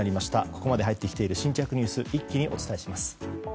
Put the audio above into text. ここまで入ってきている新着ニュース一気にお伝えします。